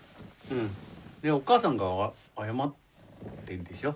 お母さんが謝ってんでしょ。